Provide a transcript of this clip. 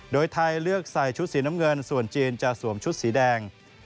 โดยไทยเลือกใส่ชุดสีน้ำเงินส่วนจีนจะสวมชุดสีแดง